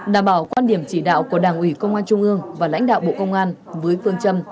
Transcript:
đảm bảo quan điểm chỉ đạo của đảng ủy công an trung ương và lãnh đạo bộ công an với phương châm